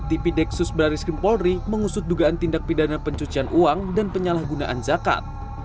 tv deksus baris kemari mengusut dugaan tindak pidana pencucian uang dan penyalahgunaan zakat